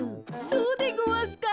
そうでごわすか？